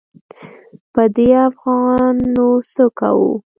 په دې افغان نو څه کوو.